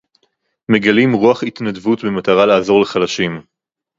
מגלים רוח התנדבות במטרה לעזור לחלשים